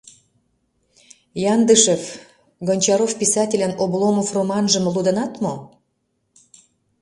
— Яндышев, Гончаров писательын «Обломов» романжым лудынат мо?